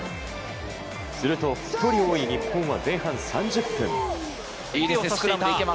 すると、１人多い日本は前半３０分。